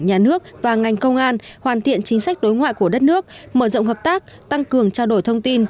nhà nước và ngành công an hoàn thiện chính sách đối ngoại của đất nước mở rộng hợp tác tăng cường trao đổi thông tin